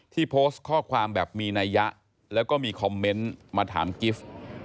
โพสต์ข้อความแบบมีนัยยะแล้วก็มีคอมเมนต์มาถามกิฟต์